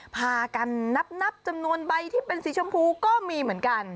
พากันนับจำนวนใบที่เป็นสีชมพูก็มีเหมือนกัน